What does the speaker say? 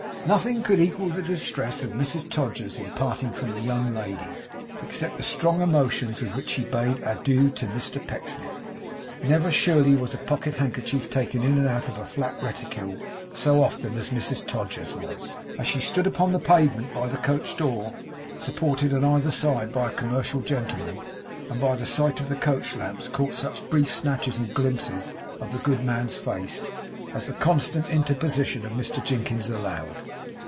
Nothing could equal the distress of Mrs Todgers in parting from the young ladies, except the strong emotions with which she bade adieu to Mr Pecksniff. Never surely was a pocket handkerchief taken in and out of a flat reticule so often as Mrs Todgers's was, as she stood upon the pavement by the coach door supported on either side by a commercial gentleman; and by the sight of the coach lamps caught such brief snatches and glimpses of the good man's face, as the constant interposition of Mr Jinkins allowed.